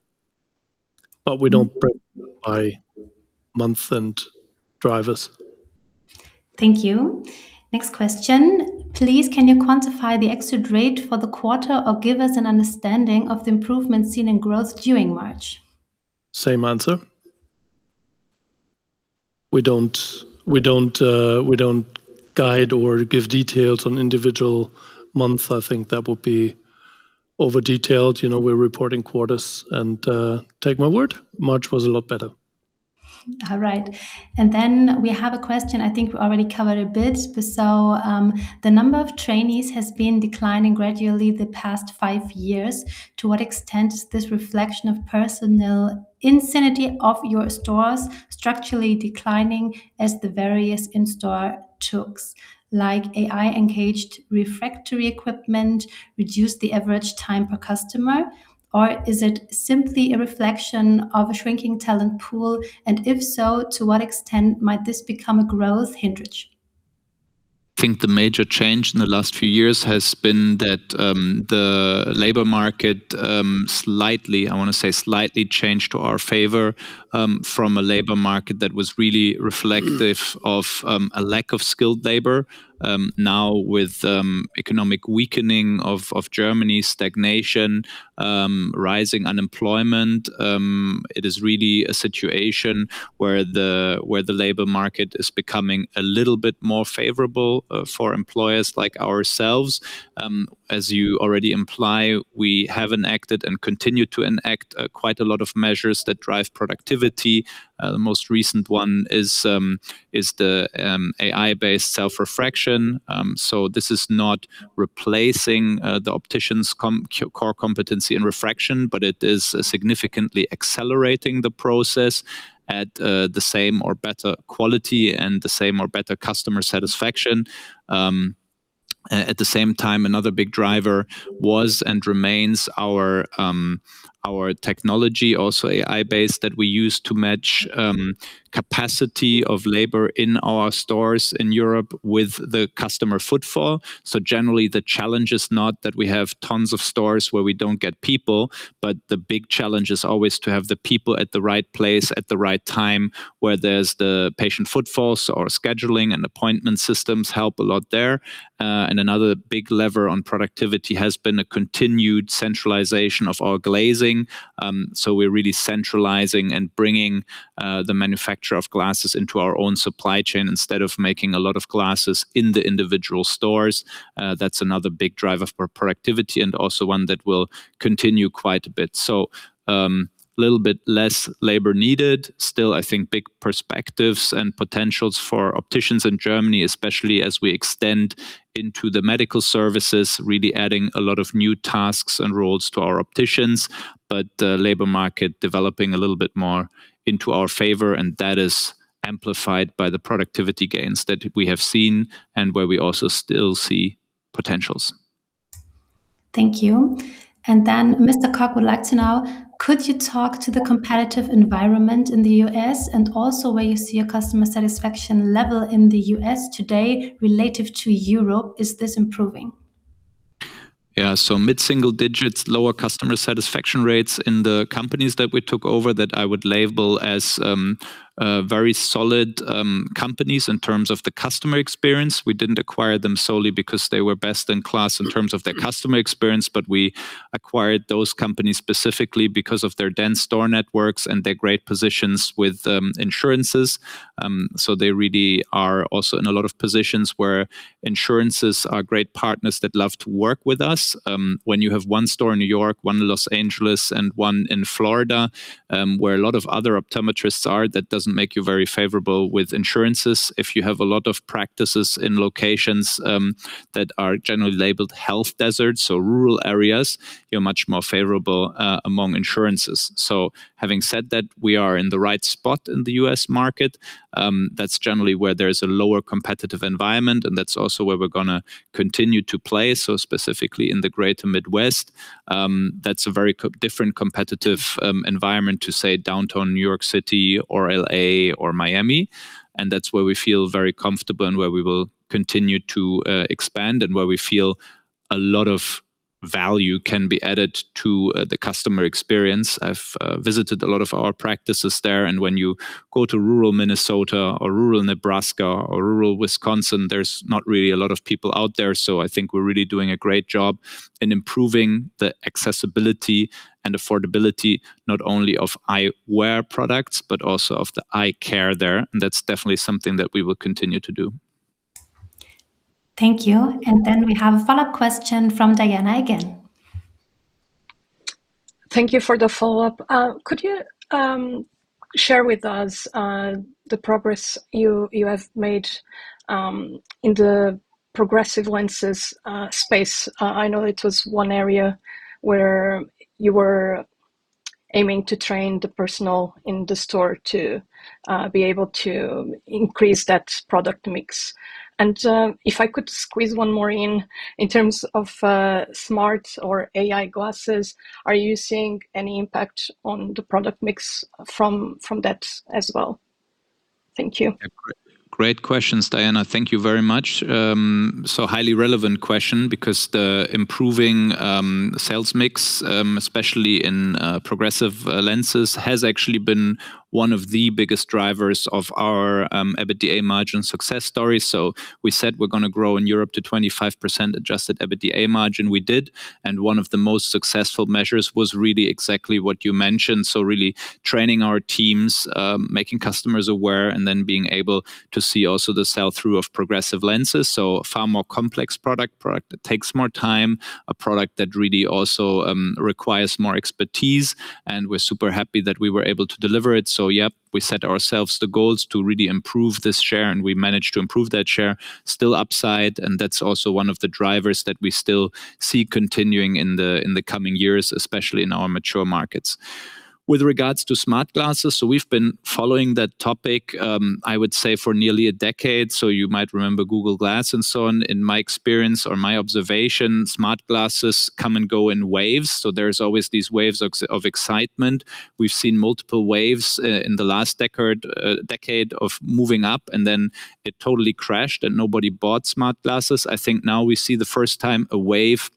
We don't break by month and drivers. Thank you. Next question. Please, can you quantify the exit rate for the quarter or give us an understanding of the improvement seen in growth during March? Same answer. We don't guide or give details on individual month. I think that would be over-detailed. You know, we're reporting quarters and, take my word, March was a lot better. All right. We have a question I think we already covered a bit. The number of trainees has been declining gradually the past five years. To what extent is this reflection of personnel intensity of your stores structurally declining as the various in-store tools like AI-enhanced refraction equipment reduce the average time per customer? Is it simply a reflection of a shrinking talent pool? If so, to what extent might this become a growth hindrance? I think the major change in the last few years has been that the labor market, slightly, I wanna say slightly changed to our favor, from a labor market that was really reflective of a lack of skilled labor. Now with economic weakening of Germany's stagnation, rising unemployment, it is really a situation where the labor market is becoming a little bit more favorable for employers like ourselves. As you already imply, we have enacted and continue to enact quite a lot of measures that drive productivity. The most recent one is the AI-based self-refraction. This is not replacing the optician's core competency and refraction, but it is significantly accelerating the process at the same or better quality and the same or better customer satisfaction. At the same time, another big driver was and remains our technology, also AI-based, that we use to match capacity of labor in our stores in Europe with the customer footfall. Generally, the challenge is not that we have tons of stores where we don't get people, but the big challenge is always to have the people at the right place at the right time, where there's the patient footfalls or scheduling and appointment systems help a lot there. Another big lever on productivity has been a continued centralization of our glazing. We're really centralizing and bringing the manufacture of glasses into our own supply chain instead of making a lot of glasses in the individual stores. That's another big driver for productivity and also one that will continue quite a bit. Little bit less labor needed. I think big perspectives and potentials for opticians in Germany, especially as we extend into the medical services, really adding a lot of new tasks and roles to our opticians. The labor market developing a little bit more into our favor, and that is amplified by the productivity gains that we have seen and where we also still see potentials. Thank you. Mr. Koch would like to know, could you talk to the competitive environment in the U.S. and also where you see your customer satisfaction level in the U.S. today relative to Europe? Is this improving? Mid-single digits, lower customer satisfaction rates in the companies that we took over that I would label as very solid companies in terms of the customer experience. We didn't acquire them solely because they were best in class in terms of their customer experience. We acquired those companies specifically because of their dense store networks and their great positions with insurances. They really are also in a lot of positions where insurances are great partners that love to work with us. When you have one store in New York, one in Los Angeles, and one in Florida, where a lot of other optometrists are, that doesn't make you very favorable with insurances. If you have a lot of practices in locations that are generally labeled health deserts or rural areas, you're much more favorable among insurances. Having said that, we are in the right spot in the U.S. market. That's generally where there's a lower competitive environment, and that's also where we're gonna continue to play. Specifically in the greater Midwest, that's a very different competitive environment to, say, downtown New York City or L.A. or Miami, and that's where we feel very comfortable and where we will continue to expand and where we feel a lot of value can be added to the customer experience. I've visited a lot of our practices there, and when you go to rural Minnesota or rural Nebraska or rural Wisconsin, there's not really a lot of people out there. I think we're really doing a great job in improving the accessibility and affordability, not only of eyewear products, but also of the eye care there. That's definitely something that we will continue to do. Thank you. We have a follow-up question from Diana again. Thank you for the follow-up. Could you share with us the progress you have made in the progressive lenses space? I know it was one area where you were aiming to train the personnel in the store to be able to increase that product mix. If I could squeeze one more in terms of smart or AI glasses, are you seeing any impact on the product mix from that as well? Thank you. Great questions, Diana. Thank you very much. Highly relevant question because the improving sales mix, especially in progressive lenses, has actually been one of the biggest drivers of our EBITDA margin success story. We said we're gonna grow in Europe to 25% adjusted EBITDA margin. We did. One of the most successful measures was really exactly what you mentioned. Really training our teams, making customers aware, and then being able to see also the sell-through of progressive lenses. A far more complex product that takes more time, a product that really also requires more expertise. We're super happy that we were able to deliver it. Yep, we set ourselves the goals to really improve this share. We managed to improve that share. Still upside, that's also one of the drivers that we still see continuing in the coming years, especially in our mature markets. With regards to smart glasses, we've been following that topic, I would say for nearly a decade. You might remember Google Glass and so on. In my experience or my observation, smart glasses come and go in waves. There's always these waves of excitement. We've seen multiple waves in the last decade of moving up, then it totally crashed, nobody bought smart glasses. I think now we see the first time a wave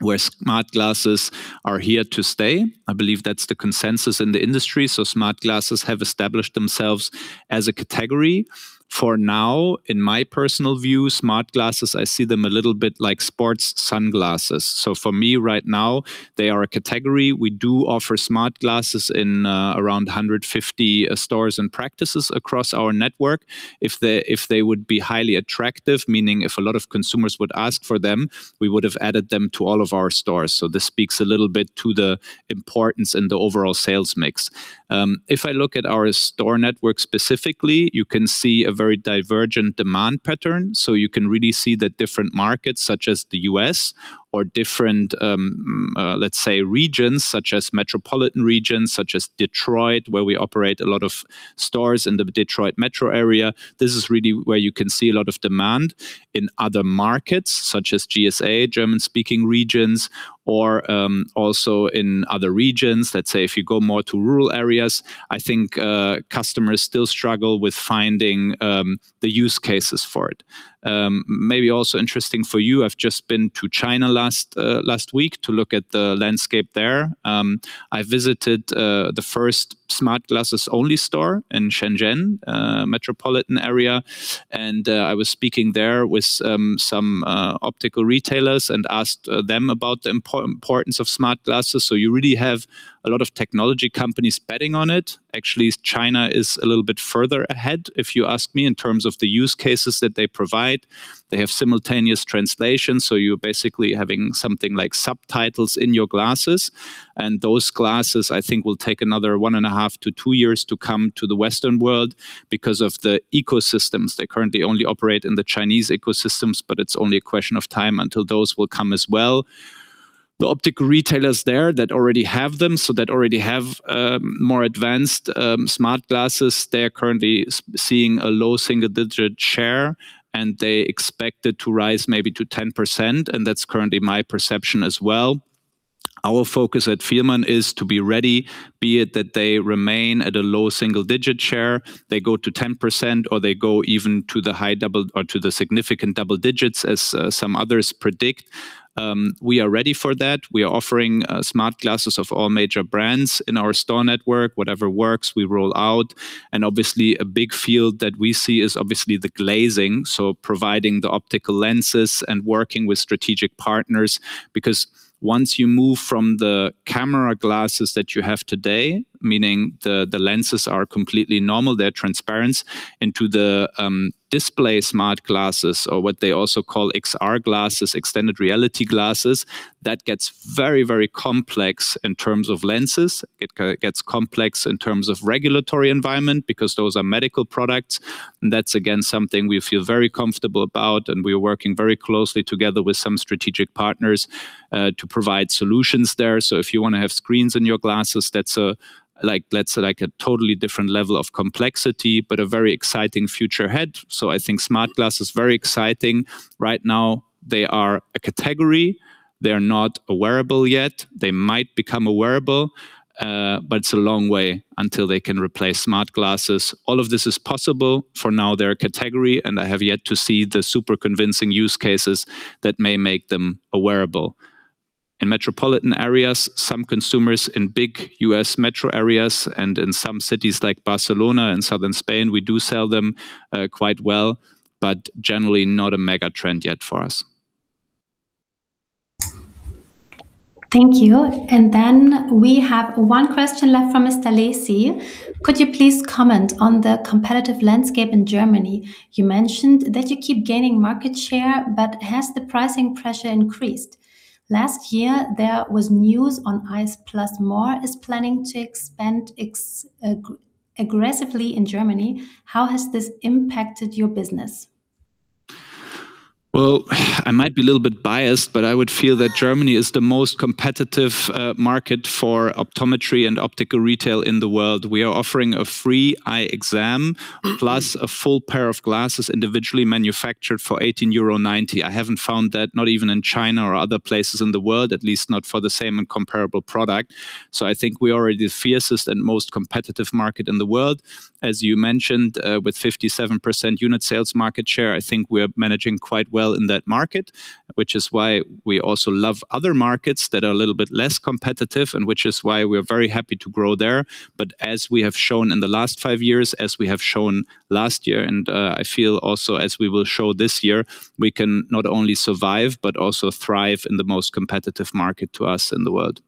where smart glasses are here to stay. I believe that's the consensus in the industry. Smart glasses have established themselves as a category. For now, in my personal view, smart glasses, I see them a little bit like sports sunglasses. For me right now, they are a category. We do offer smart glasses in around 150 stores and practices across our network. If they would be highly attractive, meaning if a lot of consumers would ask for them, we would have added them to all of our stores. This speaks a little bit to the importance in the overall sales mix. If I look at our store network specifically, you can see a very divergent demand pattern. You can really see the different markets such as the U.S. or different, let's say regions such as metropolitan regions, such as Detroit, where we operate a lot of stores in the Detroit metro area. This is really where you can see a lot of demand. In other markets, such as GSA, German-speaking regions or, also in other regions, let's say if you go more to rural areas, I think customers still struggle with finding the use cases for it. Maybe also interesting for you, I've just been to China last week to look at the landscape there. I visited the first smart glasses-only store in Shenzhen metropolitan area, and I was speaking there with some optical retailers and asked them about the importance of smart glasses. You really have a lot of technology companies betting on it. Actually, China is a little bit further ahead, if you ask me, in terms of the use cases that they provide. They have simultaneous translation, so you're basically having something like subtitles in your glasses, and those glasses, I think, will take another 1.5-2 years to come to the Western world because of the ecosystems. They currently only operate in the Chinese ecosystems, but it's only a question of time until those will come as well. The optical retailers there that already have them, so that already have more advanced smart glasses, they are currently seeing a low single-digit share, and they expect it to rise maybe to 10%, and that's currently my perception as well. Our focus at Fielmann is to be ready, be it that they remain at a low single-digit share, they go to 10%, or they go even to the high double or to the significant double digits as some others predict. We are ready for that. We are offering smart glasses of all major brands in our store network. Whatever works, we roll out. Obviously, a big field that we see is obviously the glazing, so providing the optical lenses and working with strategic partners. Once you move from the camera glasses that you have today, meaning the lenses are completely normal, they're transparent, into the display smart glasses or what they also call XR glasses, extended reality glasses, that gets very, very complex in terms of lenses. It gets complex in terms of regulatory environment because those are medical products, and that's again something we feel very comfortable about, and we're working very closely together with some strategic partners to provide solutions there. If you wanna have screens in your glasses, that's a, let's say a totally different level of complexity, but a very exciting future ahead. I think smart glasses is very exciting. Right now, they are a category. They are not a wearable yet. They might become a wearable, but it's a long way until they can replace smart glasses. All of this is possible. For now, they're a category, and I have yet to see the super convincing use cases that may make them a wearable. In metropolitan areas, some consumers in big U.S. metro areas and in some cities like Barcelona and Southern Spain, we do sell them quite well, but generally not a mega trend yet for us. Thank you. We have one question left from Mr. Lacy. Could you please comment on the competitive landscape in Germany? You mentioned that you keep gaining market share. Has the pricing pressure increased? Last year, there was news on eyes + more is planning to expand aggressively in Germany. How has this impacted your business? I might be a little bit biased, but I would feel that Germany is the most competitive market for optometry and optical retail in the world. We are offering a free eye exam, plus a full pair of glasses individually manufactured for 18.90 euro. I haven't found that, not even in China or other places in the world, at least not for the same and comparable product. I think we are the fiercest and most competitive market in the world. As you mentioned, with 57% unit sales market share, I think we're managing quite well in that market, which is why we also love other markets that are a little bit less competitive and which is why we're very happy to grow there. As we have shown in the last five years, as we have shown last year, and I feel also as we will show this year, we can not only survive, but also thrive in the most competitive market to us in the world.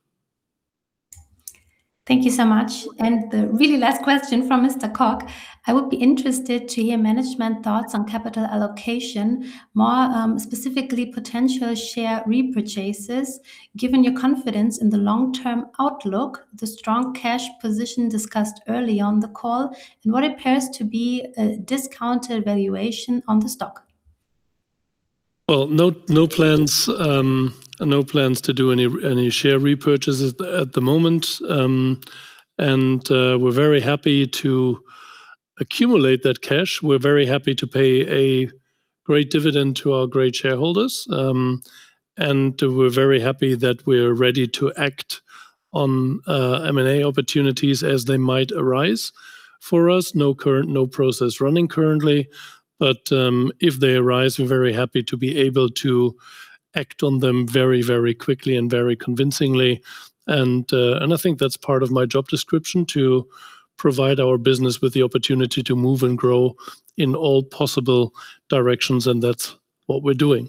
Thank you so much. The really last question from Mr. Koch. I would be interested to hear management thoughts on capital allocation, more specifically potential share repurchases, given your confidence in the long-term outlook, the strong cash position discussed early on the call, and what appears to be a discounted valuation on the stock. No plans to do any share repurchases at the moment. We're very happy to accumulate that cash. We're very happy to pay a great dividend to our great shareholders. We're very happy that we're ready to act on M&A opportunities as they might arise for us. No process running currently, if they arise, we're very happy to be able to act on them very quickly and very convincingly. I think that's part of my job description, to provide our business with the opportunity to move and grow in all possible directions, and that's what we're doing.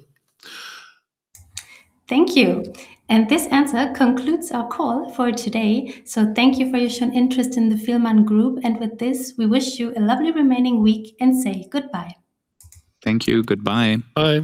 Thank you. This answer concludes our call for today. Thank you for your shown interest in the Fielmann Group. With this, we wish you a lovely remaining week and say goodbye. Thank you. Goodbye. Bye.